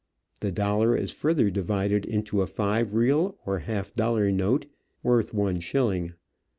The dollar is further divided into a five real or half dollar note, worth one shilling.